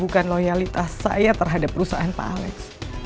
bukan loyalitas saya terhadap perusahaan pak alex